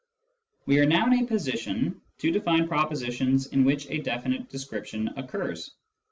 We are now in a position to define propositions in which a definite description occurs.